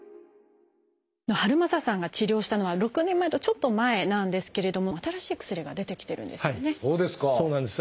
遥政さんが治療したのは６年前とちょっと前なんですけれども新しい薬が出てきてるんですよね。